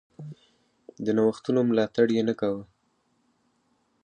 د نوښتونو ملاتړ یې نه کاوه.